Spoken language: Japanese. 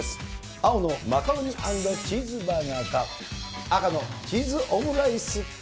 青のマカロニ＆チーズバーガーか、赤のチーズオムライスか。